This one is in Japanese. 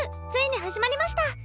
ついに始まりました。